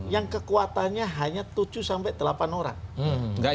yang kekuatannya hanya tujuh sampai delapan orang